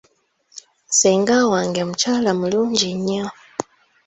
Ssenga wange mukyala mulungi nnyo.